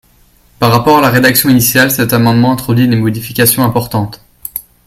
Par rapport à la rédaction initiale, cet amendement introduit des modifications importantes.